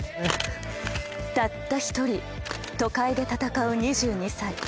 「たった１人都会で戦う２２歳。